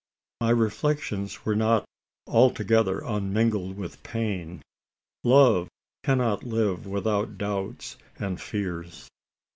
My reflections were not altogether unmingled with pain. Love cannot live without doubts and fears.